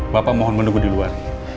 bapak mohon menunggu di luar